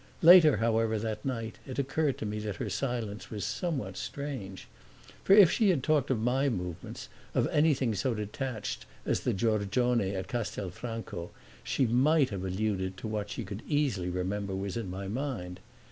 Later however, that night, it occurred to me that her silence was somewhat strange; for if she had talked of my movements, of anything so detached as the Giorgione at Castelfranco, she might have alluded to what she could easily remember was in my mind.